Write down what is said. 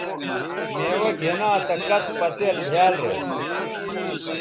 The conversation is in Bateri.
میوہ گِھنا تہ کڅ پڅئیل بھیال رے